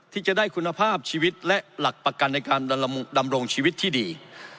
ที่จะได้คุณภาพชีวิตและหลักประกันในการดำรงชีวิตที่ดี